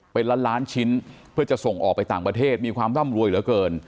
เป็นล้านล้านชิ้นเพื่อจะส่งออกไปต่างประเทศมีความร่ำรวยเหลือเกิน